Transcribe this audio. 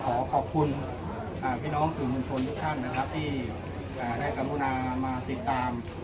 ขอขอบคุณพี่น้องสื่อมวลชนทุกท่านนะครับที่ได้กรุณามาติดตาม